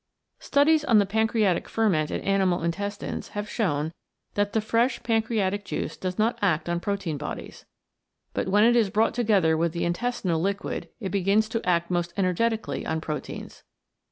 Studies on the pancreatic ferment in animal intestines have shown that the fresh pancreatic juice does not act on protein bodies. But when it is brought together with the intestinal liquid it begins to act most energetically on proteins.